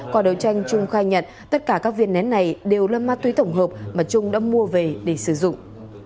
qua đấu tranh trung khai nhận tất cả các viên nén này đều là ma túy tổng hợp mà trung đã mua về để sử dụng